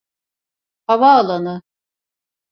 Havaalanı.